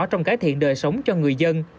trong cải thiện đời sống cho người dân